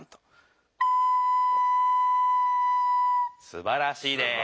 すばらしいです。